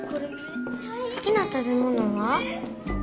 「好きな食べ物は？」。